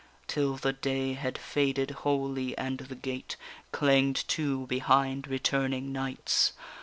Till the day Had faded wholly, and the gate Clanged to behind returning knights?